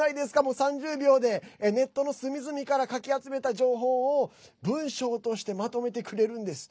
３０秒でネットの隅々からかき集めた情報を文章としてまとめてくれるんです。